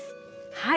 はい。